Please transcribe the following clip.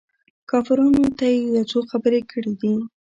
کافرانو ته يې يو څو خبرې کړي دي.